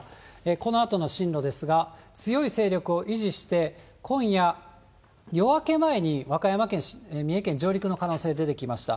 このあとの進路ですが、強い勢力を維持して、今夜、夜明け前に和歌山県、三重県、上陸の可能性が出てきました。